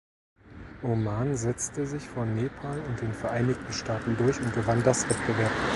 Oman setzte sich vor Nepal und den Vereinigten Staaten durch und gewann das Wettbewerb.